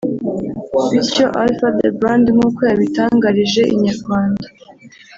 bityo Alpha The Brand nkuko yabitangarije Inyarwanda